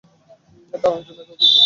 দাঁড়ানোর জন্য এতো উদ্বিগ্ন হইও না।